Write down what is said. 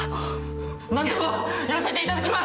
何でもやらせていただきます！